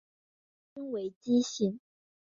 国君为姬姓。